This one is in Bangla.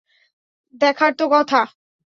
দেখার তো কথা!